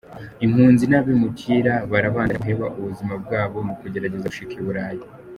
Impunzi n’abimukira barabandanya guheba ubuzima bwabo mu kugerageza gushika I Buraya.